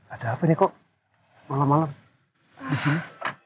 ada apa nih kok malam malam disini